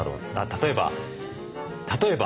例えば例えば。